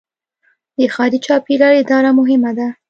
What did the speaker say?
د ښاري چاپیریال اداره مهمه ده.